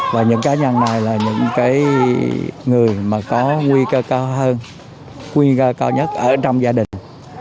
và những cá nhân này là những người mà có nguy cơ cao hơn nguy cơ cao nhất ở trong gia đình